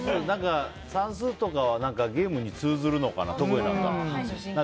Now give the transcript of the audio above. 算数とかはゲームに通ずるから得意なのかな。